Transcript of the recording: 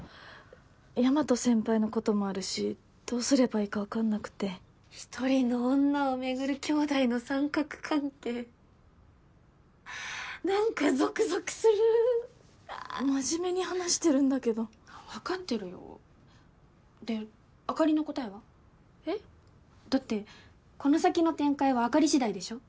大和先輩のこともあるしどうすればいいか分かんなくて一人の女をめぐる兄弟の三角関係何かゾクゾクする真面目に話してるんだけど分かってるよであかりの答えは？えっ？だってこの先の展開はあかり次第でしょ？